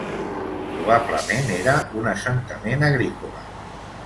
Probablement era un assentament agrícola.